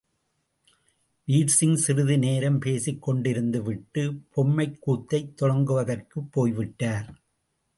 வீர்சிங் சிறிது நேரம் பேசிக் கொண்டிருந்துவிட்டு, பொம்மைக்கூத்தைத் தொடங்குவதற்குப் போய்விட்டார்.